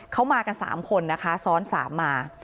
เขามากัน๓คนนะคะซ้อน๓มา